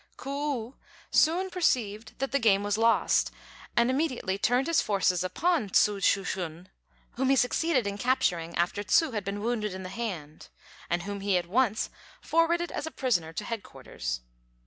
K'u soon perceived that the game was lost, and immediately turned his forces upon Tsu Shu shun, whom he succeeded in capturing, after Tsu had been wounded in the hand, and whom he at once forwarded as a prisoner to headquarters.